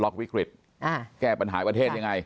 ล็อควิกฤตไปแก้ปันหาประเทศยังไง